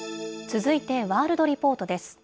続いて、ワールドリポートです。